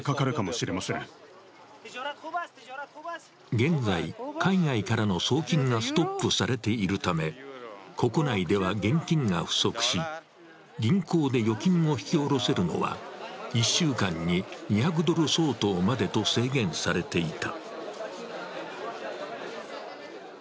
現在、海外からの送金がストップされているため国内では現金が不足し、銀行で預金を引き下ろせるのは、１週間に２００ドル相当までと制限されていた。